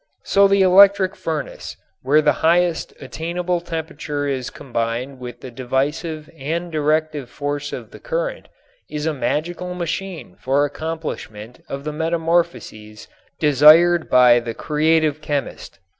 So the electric furnace, where the highest attainable temperature is combined with the divisive and directive force of the current, is a magical machine for accomplishment of the metamorphoses desired by the creative chemist.